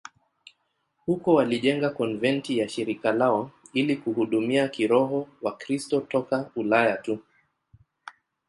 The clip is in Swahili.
Huko walijenga konventi ya shirika lao ili kuhudumia kiroho Wakristo toka Ulaya tu.